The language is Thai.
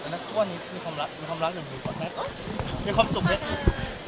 แล้วก็มีความรักอยู่ดีกว่านั้น